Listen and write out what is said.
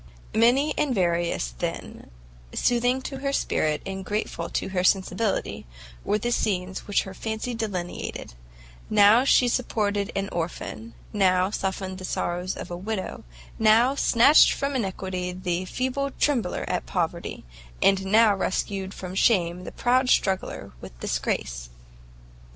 Many and various, then, soothing to her spirit and grateful to her sensibility, were the scenes which her fancy delineated; now she supported an orphan, now softened the sorrows of a widow, now snatched from iniquity the feeble trembler at poverty, and now rescued from shame the proud struggler with disgrace.